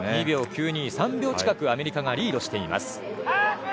２秒９２と３秒近くアメリカがリードしています。